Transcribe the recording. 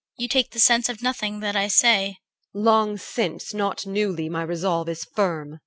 CHR. You take the sense of nothing that I say. EL. Long since, not newly, my resolve is firm.